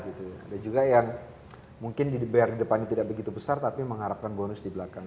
ada juga yang mungkin dibayar di depannya tidak begitu besar tapi mengharapkan bonus di belakang